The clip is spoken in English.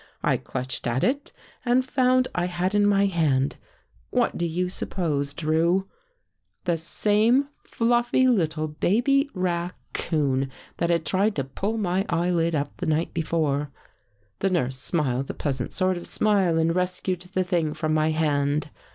I clutched at it and found I had in my hand — what do you sup pose, Drew? — the same fluffy little baby raccoon 176 BEECH HILL that had tried to pull my eyelid up the night before. " The nurse smiled a pleasant sort of smile and rescued the thing from my hand.